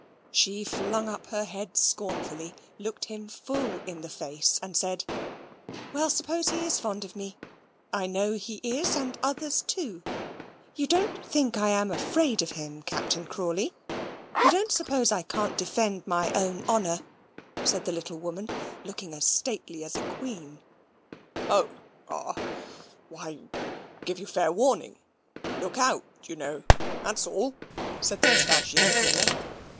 She flung up her head scornfully, looked him full in the face, and said, "Well, suppose he is fond of me. I know he is, and others too. You don't think I am afraid of him, Captain Crawley? You don't suppose I can't defend my own honour," said the little woman, looking as stately as a queen. "Oh, ah, why give you fair warning look out, you know that's all," said the mustachio twiddler.